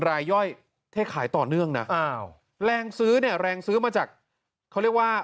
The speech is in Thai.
รายย่อยเทขายต่อเนื่องนะอ้าวแรงซื้อเนี่ยแรงซื้อมาจากเขาเรียกว่า